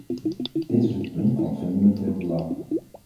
Dit is een punt van fundamenteel belang.